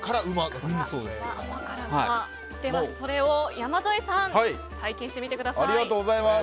ではそれを山添さん体験してみてください。